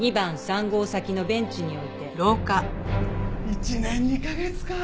１年２カ月か。